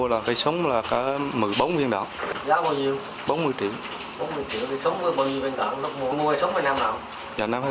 bốn mươi triệu thì sống với bao nhiêu viên đạn lúc mua cây súng là năm nào